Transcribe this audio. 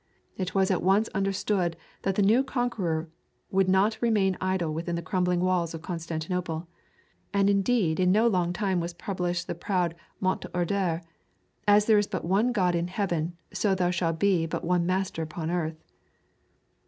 It was at once understood that the new conqueror would not remain idle within the crumbling walls of Constantinople. And indeed in no long time was published the proud mot d'ordre "As there is but one God in heaven, so there shall be but one master upon earth."